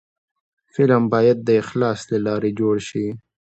فلم باید د اخلاص له لارې جوړ شي